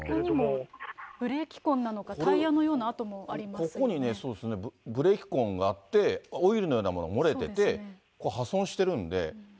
ここにもブレーキ痕なのか、ここにね、そうですね、ブレーキ痕があって、オイルのようなものが漏れてて、破損してるんで。